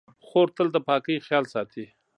خور تل د پاکۍ خیال ساتي.